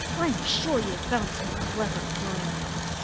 I am sure you have found some clever friend!